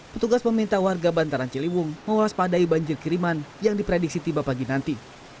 petugas meminta warga bantaran ciliwung mewaspadai banjir kiriman yang diprediksi tiba pagi nanti